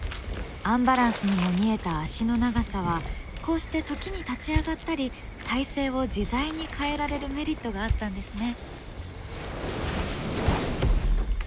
アンバランスにも見えた足の長さはこうして時に立ち上がったり体勢を自在に変えられるメリットがあったんですね。